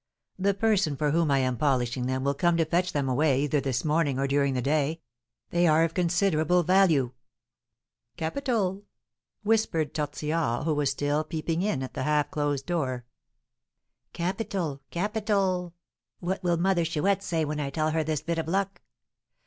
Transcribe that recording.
"The person for whom I am polishing them will come to fetch them away either this morning or during the day. They are of considerable value." "Capital!" whispered Tortillard, who was still peeping in at the half closed door; "capital, capital! What will Mother Chouette say when I tell her this bit of luck?"